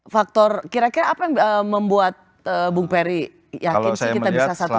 faktor kira kira apa yang membuat bung peri yakin sih kita bisa satu